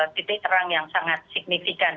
titik terang yang sangat signifikan